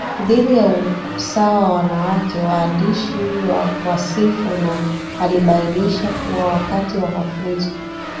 dhidi ya usawa wa wanawake Waandishi wa wasifu na alibainisha kuwa wakati wa mafunzo